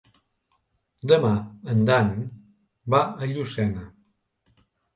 Demà en Dan va a Llucena.